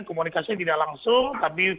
komunikasi tidak langsung tapi